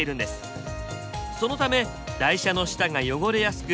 そのため台車の下が汚れやすく